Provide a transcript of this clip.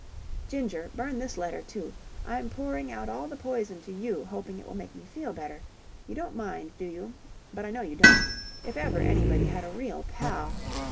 "Ginger, burn this letter, too. I'm pouring out all the poison to you, hoping it will make me feel better. You don't mind, do you? But I know you don't. If ever anybody had a real pal...